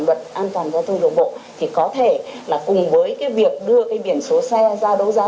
luật an toàn giao thông đường bộ thì có thể là cùng với cái việc đưa cái biển số xe ra đấu giá